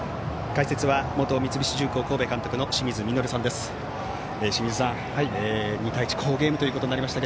解説は元三菱重工神戸監督の清水稔さんです。